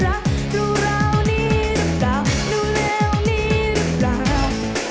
ราวนี้รึเปล่าดูแนวนี้รึเปล่าดูแนวนี้รึเปล่า